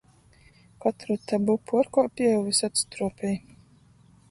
Kotru tabu puorkuopieju vysod struopej.